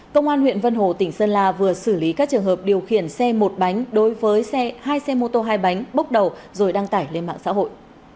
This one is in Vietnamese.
công an huyện vân hồ tỉnh sơn la vừa xử lý các trường hợp điều khiển xe một bánh đối với hai xe mô tô hai bánh bốc đầu rồi đăng tải lên mạng xã hội